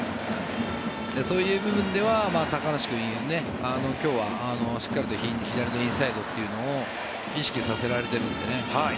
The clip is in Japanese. そういう部分では高梨君、今日はしっかりと左のインサイドを意識させられているのでね。